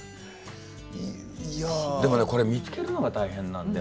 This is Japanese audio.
でもね、これ見つけるの大変なんですよ。